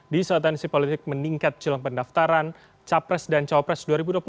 di saatan si politik meningkat jelang pendaftaran capres dan capres dua ribu dua puluh empat